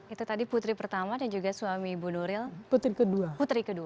itu tadi putri pertama dan juga suami ibu nuril putri kedua